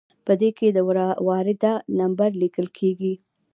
په دې کې د وارده نمبر لیکل کیږي.